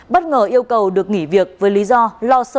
bất ngờ yêu cầu được nghỉ việc với lý do lo sợ